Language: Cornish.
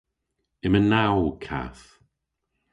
Yma naw kath.